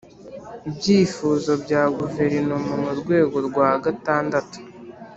ibyifuzo bya Guverinoma mu rwego rwa gatandatu